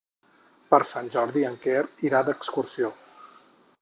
Per Sant Jordi en Quer irà d'excursió.